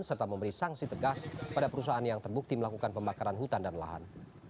serta memberi sanksi tegas pada perusahaan yang terbukti melakukan pembakaran hutan dan lahan